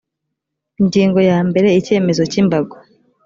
ingingo ya mbere icyemezo cy imbago